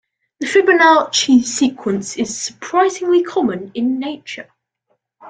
The Fibonacci sequence is surprisingly common in nature.